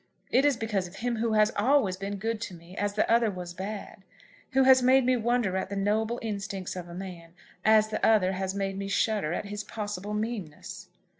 It is because of him who has always been good to me as the other was bad, who has made me wonder at the noble instincts of a man, as the other has made me shudder at his possible meanness."